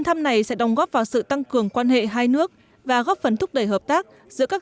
thăm này sẽ đồng góp vào sự tăng cường quan hệ hai nước và góp phần thúc đẩy hợp tác giữa các